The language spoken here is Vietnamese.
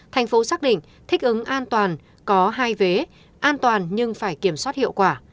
thành phố xác định thích ứng an toàn có hai vé an toàn nhưng phải kiểm soát hiệu quả